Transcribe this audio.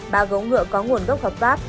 ba gấu ngựa có nguồn gốc hợp pháp